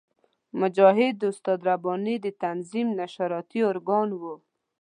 مجاهد د استاد رباني د تنظیم نشراتي ارګان وو.